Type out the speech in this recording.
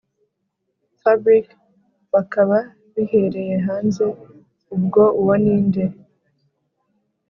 fabric bakaba bihereye hanze ubwo uwo ninde